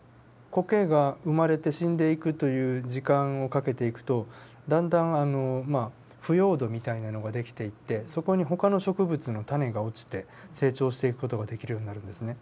コケが生まれて死んでいくという時間をかけていくとだんだんまあ腐葉土みたいなのが出来ていってそこにほかの植物の種が落ちて成長していく事ができるようになるんですね。